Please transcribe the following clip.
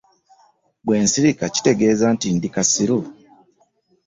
Bwensirika kitegeza nti ndi kasiru.